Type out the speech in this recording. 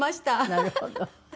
なるほど。